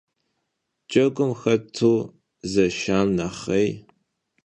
Cegum xetu zeşşam nexhêy.